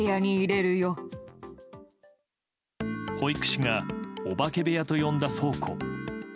保育士がお化け部屋と呼んだ倉庫。